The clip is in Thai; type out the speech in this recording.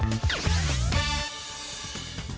สวัสดีครับคุณผู้ชมครับ